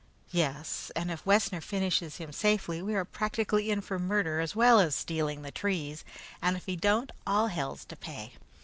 "Yes, and if Wessner finishes him safely, we are practically in for murder as well as stealing the trees; and if he don't, all hell's to pay.